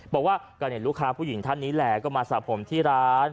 บอกว่าก็เห็นลูกค้าผู้หญิงท่านนี้แหละก็มาสระผมที่ร้าน